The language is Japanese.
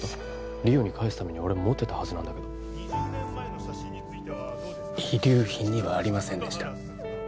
莉桜に返すために俺持ってたはずなんだけど遺留品にはありませんでした